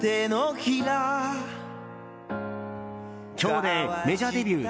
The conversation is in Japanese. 今日で、メジャーデビュー